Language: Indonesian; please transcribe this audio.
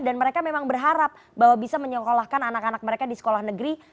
dan mereka memang berharap bahwa bisa menyekolahkan anak anak mereka di sekolah negeri